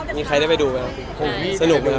มีใครได้ไปดูมั้ยครับ